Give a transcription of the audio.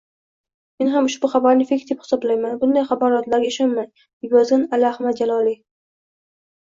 “Men ushbu xabarlarni feyk deb hisoblayman. Bunday axborotlarga ishonmang”, — deb yozgan Ali Ahmad Jaloliy